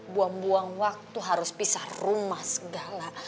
buang buang waktu harus pisah rumah segala